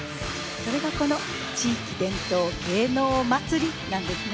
それがこの「地域伝統芸能まつり」なんですね。